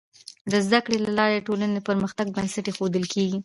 د زده کړې له لارې د ټولنې د پرمختګ بنسټ ایښودل کيږي.